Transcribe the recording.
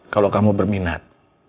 kalau kamu berminat